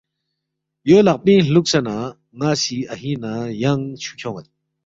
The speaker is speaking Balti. یو لق پِنگ ہلُوکسے نہ، ن٘ا سی اَہِینگ نہ ینگ چھُو کھیون٘ید